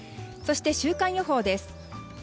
そして、週間予報です。